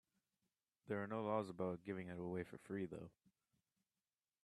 There are no laws about giving it away for free, though.